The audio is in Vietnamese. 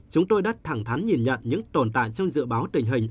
chúng tôi đã thẳng thắn nhìn nhận những tồn tại trong dự báo tình hình